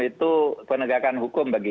itu penegakan hukum bagi